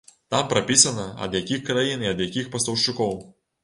Там прапісана, ад якіх краін і ад якіх пастаўшчыкоў.